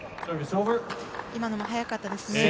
今のも速かったですね。